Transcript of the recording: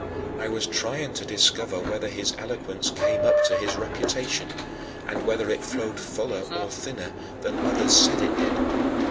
I was trying to discover whether his eloquence came up to his reputation, and whether it flowed fuller or thinner than others said it did.